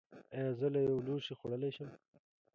ایا زه له یو لوښي خوړلی شم؟